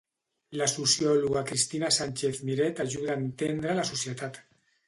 La sociòloga Cristina Sánchez Miret ajuda a entendre la societat.